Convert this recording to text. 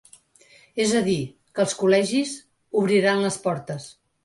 És a dir, que els col·legis obriran les portes.